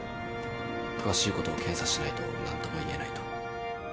詳しいことを検査しないと何とも言えないと。